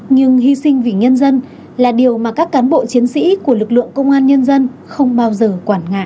nhưng hy sinh vì nhân dân là điều mà các cán bộ chiến sĩ của lực lượng công an nhân dân không bao giờ quản ngại